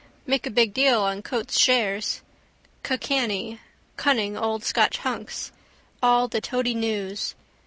Made a big deal on Coates's shares. Ca' canny. Cunning old Scotch hunks. All the toady news.